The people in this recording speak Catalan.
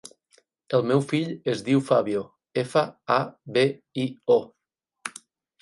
El meu fill es diu Fabio: efa, a, be, i, o.